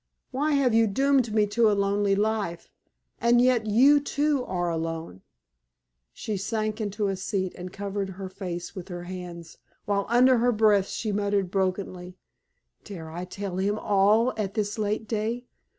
Why have you doomed me to a lonely life? And yet you, too, are alone." She sank into a seat and covered her face with her hands, while under her breath she murmured brokenly: "Dare I tell him all at this late day?